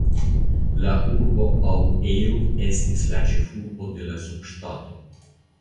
La urbo Aŭeil estis la ĉefurbo de la subŝtato.